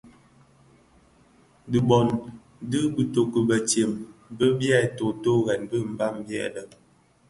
Kiboň ki bitoki bitsem bi byè totorèn bi Mbam byèbi lè: